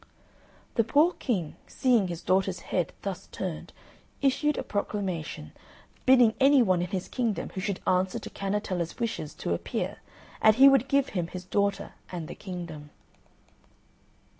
The poor King, seeing his daughter's head thus turned, issued a proclamation, bidding any one in his kingdom who should answer to Cannetella's wishes to appear, and he would give him his daughter and the kingdom.